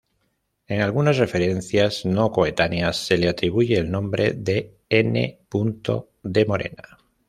En algunas referencias, no coetáneas, se le atribuye el nombre de "N. de Morena.